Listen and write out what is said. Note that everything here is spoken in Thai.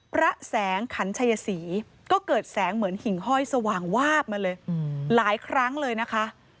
พระแสงขันชัยศรีก็เกิดแสงเหมือนหิ่งห้อยสว่างวาบมาเลยหลายครั้งเลยนะคะ